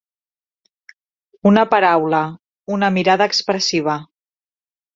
Una paraula, una mirada, expressiva.